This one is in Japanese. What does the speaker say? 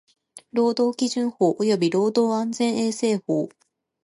労働基準法及び労働安全衛生法